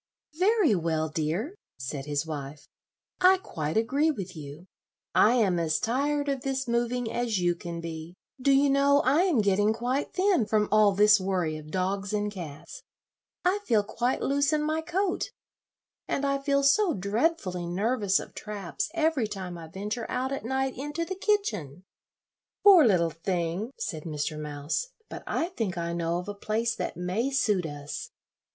"Very well, dear," said his wife, "I quite agree with you. I am as tired of this moving as you can be. Do you know, I am getting quite thin from all this worry of dogs and cats. I feel quite loose in my coat, and I feel so dreadfully nervous of traps every time I venture out at night into the kitchen." "Poor little thing!" said Mr. Mouse; "but I think I know of a place that may suit us.